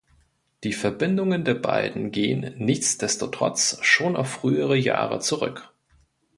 Die Verbindungen der beiden gehen nichtsdestotrotz schon auf frühere Jahre zurück.